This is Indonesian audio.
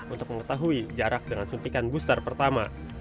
untuk mengetahui jarak dengan suntikan booster pertama